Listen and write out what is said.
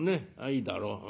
いいだろう」。